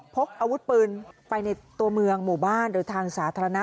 พกอาวุธปืนไปในตัวเมืองหมู่บ้านหรือทางสาธารณะ